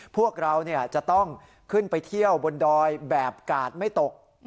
พวกเราจะต้องขึ้นไปเที่ยวบนดอยแบบกาดไม่ตก